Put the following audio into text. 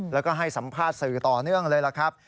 แล้วก็ให้สัมภาษณ์สื่อต่อเนื่องเลยล่ะครับ